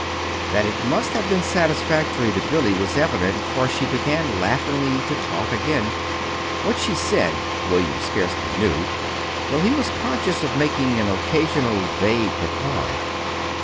That it must have been satisfactory to Billy was evident, for she began laughingly to talk again. What she said, William scarcely knew, though he was conscious of making an occasional vague reply.